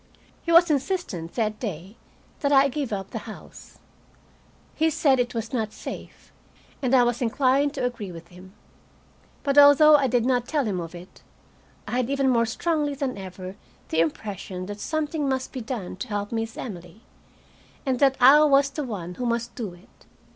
He was insistent, that day, that I give up the house. He said it was not safe, and I was inclined to agree with him. But although I did not tell him of it, I had even more strongly than ever the impression that something must be done to help Miss Emily, and that I was the one who must do it.